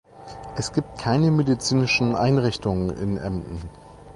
Es gibt keine medizinischen Einrichtungen in Embden.